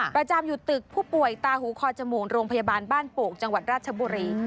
ประจำอยู่ตึกผู้ป่วยตาหูคอจมูกโรงพยาบาลบ้านโปกจังหวัดราชบุรี